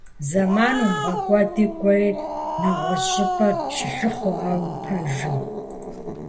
Зэман умыгъэкӀуэду, кӀуэи нэгъуэщӀ щӀыпӀэ щылъыхъуэ а уи пэжым.